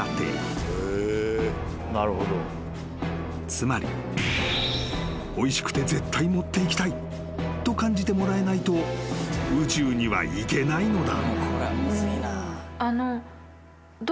［つまりおいしくて絶対持っていきたいと感じてもらえないと宇宙には行けないのだ］